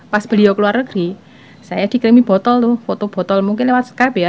pas beliau keluar negeri saya dikirimi botol tuh foto botol mungkin lewat skype ya